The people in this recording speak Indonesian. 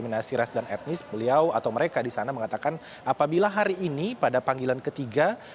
aminasi ras dan etnis beliau atau mereka di sana mengatakan apabila hari ini pada panggilan ketiga